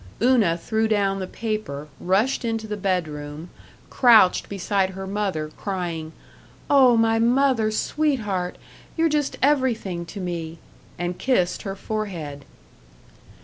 Una threw down the paper, rushed into the bedroom, crouched beside her mother, crying, "Oh, my mother sweetheart! You're just everything to me," and kissed her forehead.